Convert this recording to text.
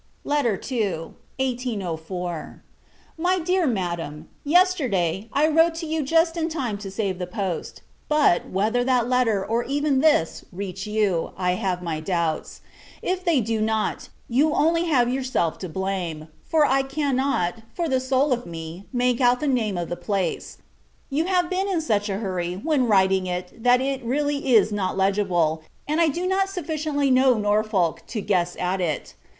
II. [1804,] MY DEAR MADAM, Yesterday, I wrote to you just in time to save the post: but, whether that letter, or even this, reach you, I have my doubts if they do not, you have only yourself to blame; for I cannot, for the soul of me, make out the name of the place. You have been in such a hurry, when writing it, that it really is not legible; and I do not sufficiently know Norfolk, to guess at it.